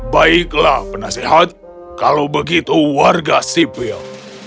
baiklah penasehat kalau begitu warga sipil